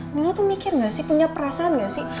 nino tuh mikir gak sih punya perasaan gak sih